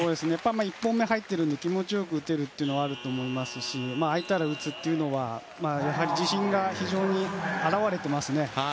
１本目入っているので気持ちよく打てるというのはあると思いますし空いたら打つというのは自信が非常に表れています。